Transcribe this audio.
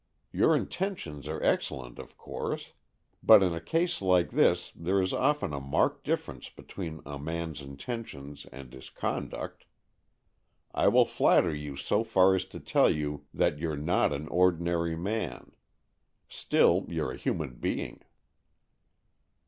Your intentions are excellent, of course. But in a case like this there is often a marked difference between a man's inten tions and his conduct. I will flatter you so far as to tell you that you're not an ordinary man. Still, you're a human being."